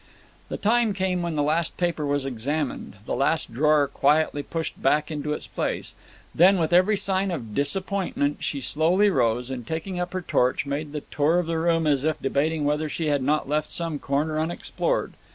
The time came when the last paper was examined, the last drawer quietly pushed back into its place; then, with every sign of disappointment, she slowly rose, and taking up her torch made the tour of the room as if debating whether she had not left some corner unexplored.